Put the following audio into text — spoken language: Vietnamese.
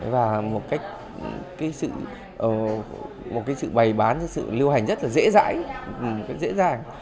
và một cái sự bày bán một cái sự lưu hành rất là dễ dãi dễ dàng